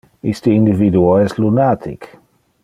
Iste individuo es lunatic!